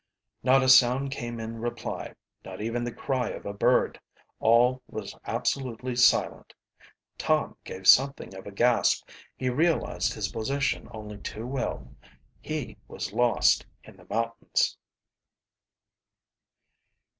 Not a sound came in reply not even the cry of a bird all was absolutely silent. Tom gave something of a gasp. He realized his position only too well. He was lost in the mountains.